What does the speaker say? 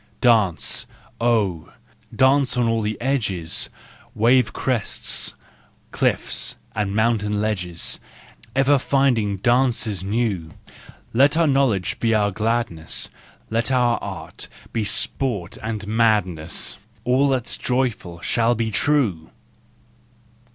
Dance, oh! dance on all the edges, Wave crests, cliffs and mountain ledges, Ever finding dances new ! Let our knowledge be our gladness, Let our art be sport and madness, All that's joyful shall be true!